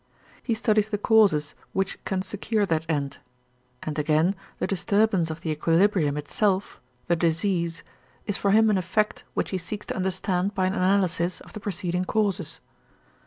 He studies the causes which can secure that end. And again the disturbance of the equilibrium itself, the disease, is for him an effect which he seeks to understand by an analysis of the preceding causes.